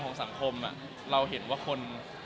คือแฟนคลับเขามีเด็กเยอะด้วย